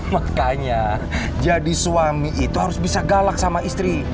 makanya jadi suami itu harus bisa galak sama istri